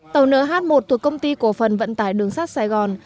tàu nh một thuộc công ty cổ phần vận tải đường sắt sài gòn